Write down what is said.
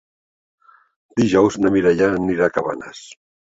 Dijous na Mireia anirà a Cabanes.